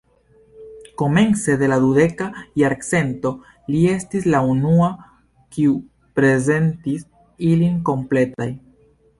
Komence de la dudeka jarcento li estis la unua, kiu prezentis ilin kompletaj.